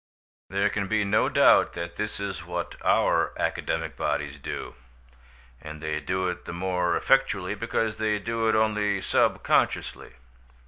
There can be no doubt that this is what our academic bodies do, and they do it the more effectually because they do it only subconsciously.